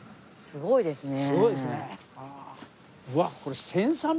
すごいっすね。